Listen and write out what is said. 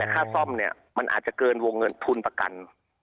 ค่าซ่อมเนี่ยมันอาจจะเกินวงเงินทุนประกัน